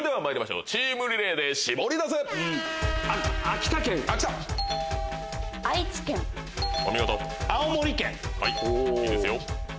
いいですよ。